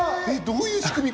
どういう仕組み？